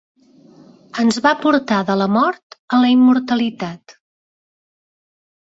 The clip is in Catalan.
Ens va portar de la mort a la immortalitat.